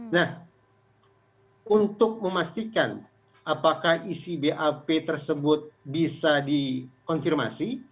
nah untuk memastikan apakah isi bap tersebut bisa dikonfirmasi